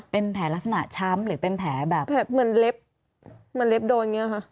เป็นแผลลักษณะช้ำหรือเป็นแผลแบบเหมือนเล็บเหมือนเล็บโดนอย่างนี้ค่ะ